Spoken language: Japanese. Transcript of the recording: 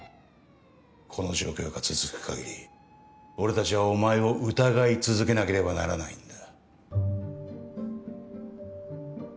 この状況が続くかぎり俺たちはお前を疑い続けなければならないんだ。